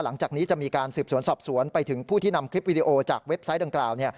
หลังจากนี้จะมีการสืบสวนสอบสวนไปถึงผู้ที่นำคลิปวิดีโอจากเว็บไซต์ดังกล่าว